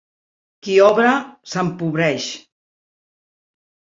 Qui obra s'empobreix.